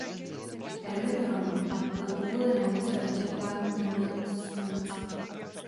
Erwin Rommel byl kvůli nemoci a vyčerpání uvolněn z funkce.